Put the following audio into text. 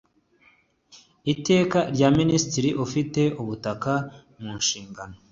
iteka rya minisitiri ufite ubutaka mu nshingano